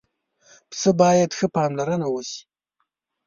پسه باید ښه پاملرنه وشي.